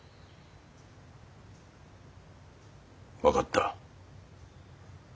分かった。